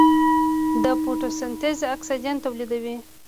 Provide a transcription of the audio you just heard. د فوټوسنتز اکسیجن تولیدوي.